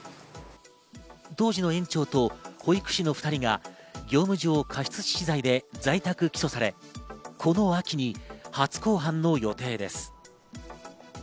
当時の園長と保育士の２人が業務上過失致死罪で在宅起訴され、この秋に初公判の予定です。